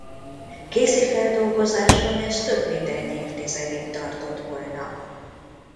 Kézi feldolgozással ez több mint egy évtizedig tartott volna.